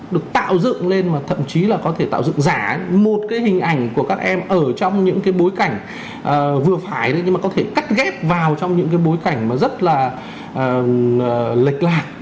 được tạo dựng lên mà thậm chí là có thể tạo dựng giả một cái hình ảnh của các em ở trong những cái bối cảnh vừa phải nhưng mà có thể cắt ghép vào trong những cái bối cảnh mà rất là lệch lạc